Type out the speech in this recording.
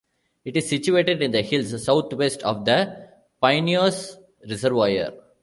It is situated in the hills southwest of the Pineios reservoir.